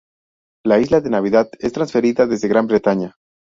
La Isla de Navidad es transferida desde Gran Bretaña.